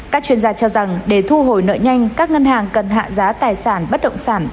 các chuyên gia cho rằng để thu hồi nợ nhanh các ngân hàng cần hạ giá tài sản bất động sản